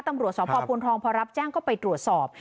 ตำรวจสพพลทองพอรับแจ้งก็ไปตรวจสอบ